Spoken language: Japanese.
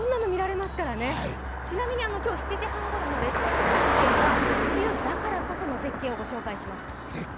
ちなみに今日７時半ごろの列島中継では梅雨だからこその絶景をご紹介します。